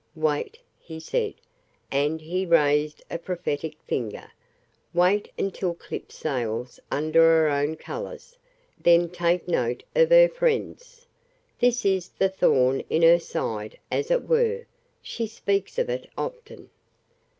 "Wait," he said, and he raised a prophetic finger, "wait until Clip sails under her own colors. Then take note of her friends. This is the thorn in her side, as it were. She speaks of it often."